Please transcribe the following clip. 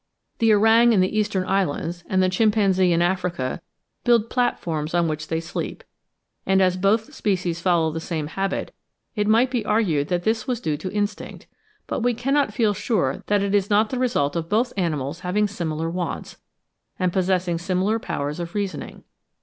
The orang in the Eastern islands, and the chimpanzee in Africa, build platforms on which they sleep; and, as both species follow the same habit, it might be argued that this was due to instinct, but we cannot feel sure that it is not the result of both animals having similar wants, and possessing similar powers of reasoning.